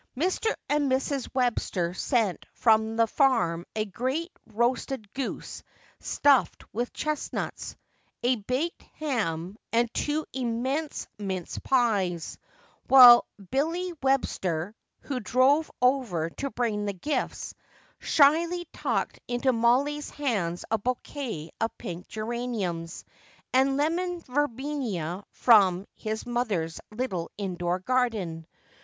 Mr. and Mrs. Webster sent from the farm a great roasted goose stuffed with chestnuts, a baked ham and two immense mince pies, while Billy Webster, who drove over to bring the gifts, shyly tucked into Mollie's hands a bouquet of pink geraniums and lemon verbena from his mother's little indoor garden.